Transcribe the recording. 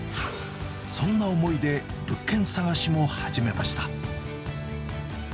そんな思いで物件探しも始めました。